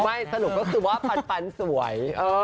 ไม่สนุกก็คือว่าปั๊นสวย